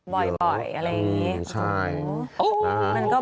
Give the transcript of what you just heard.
บ่อยอะไรอย่างนี้โอ้โฮ